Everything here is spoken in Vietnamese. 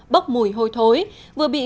bốc mùi hôi thối vừa bị